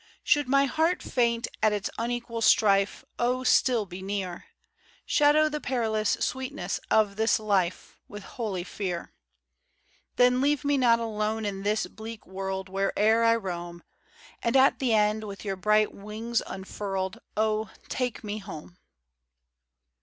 Should my heart faint at its unequal strife, O still be near! Shadow the perilous sweetness of this life With holy fear. Then leave me not alone in this bleak world, Where'er I roam, And at the end, with your bright wings unfurled, O take me home